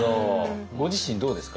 ご自身どうですか？